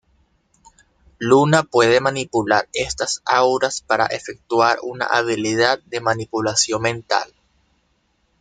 Luna puede manipular estas auras para efectuar una habilidad de manipulación mental.